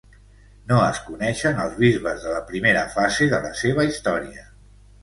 No es coneixen els bisbes de la primera fase de la seva història.